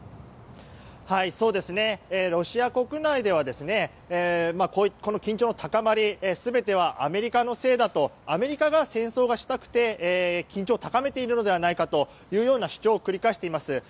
ロシア国内ではこの緊張の高まり全てはアメリカのせいだとアメリカが戦争がしたくて緊張を高めているのではないかという主張を繰り返しています。